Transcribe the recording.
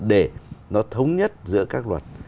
để nó thống nhất giữa các luật